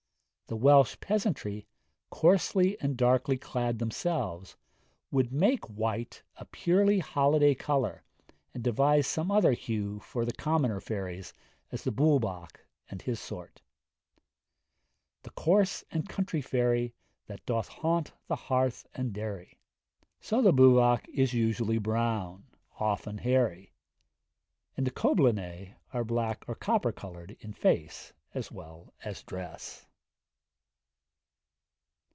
The Welsh peasantry, coarsely and darkly clad themselves, would make white a purely holiday colour, and devise some other hue for such commoner fairies as the Bwbach and his sort: The coarse and country fairy, That doth haunt the hearth and dairy. So the Bwbach is usually brown, often hairy; and the Coblynau are black or copper coloured in face as well as dress.